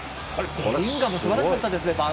ベリンガムすばらしかったですね